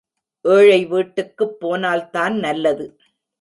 ஏழை வீட்டுக்குப் போனால்தான் நல்லது.